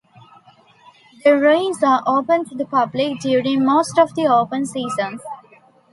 The ruins are open to the public during most of the open season.